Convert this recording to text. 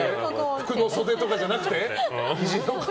服の袖とかじゃなくてひじの皮。